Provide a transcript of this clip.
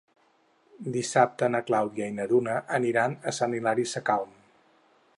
Dissabte na Clàudia i na Duna aniran a Sant Hilari Sacalm.